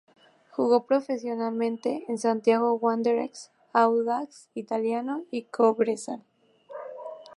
Jugó profesionalmente en Santiago Wanderers, Audax Italiano y Cobresal.